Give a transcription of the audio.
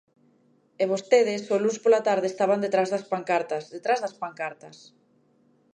E vostedes o luns pola tarde estaban detrás das pancartas, detrás das pancartas.